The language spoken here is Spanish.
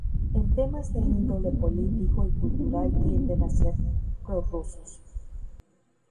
En temas de índole político y cultural tienden a ser prorrusos.